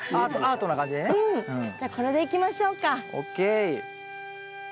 じゃあこれでいきましょうか。